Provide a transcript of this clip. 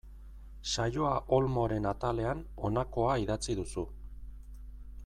Saioa Olmoren atalean honakoa idatzi duzu.